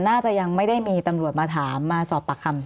น่าจะยังไม่ได้มีตำรวจมาถามมาสอบปากคำ